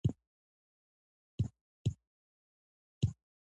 د ډبونو کلی ډېر ښکلی دی